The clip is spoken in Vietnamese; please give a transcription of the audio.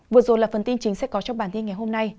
vừa rồi là phần tin chính sẽ có trong bản tin ngày hôm nay